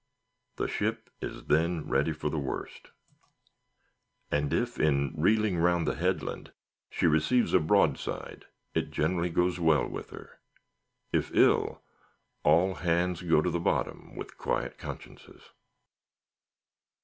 The ship is then ready for the worst; and if, in reeling round the headland, she receives a broadside, it generally goes well with her. If ill, all hands go to the bottom with quiet consciences.